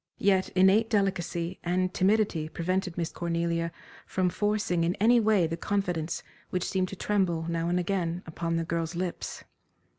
Yet innate delicacy and timidity prevented Miss Cornelia from forcing in any way the confidence which seemed to tremble, now and again, upon the girl's lips.